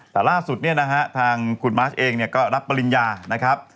แต่ล่าสุดเนี่ยนะฮะทางคุณมาสเองเนี่ยก็รับปริญญานะครับ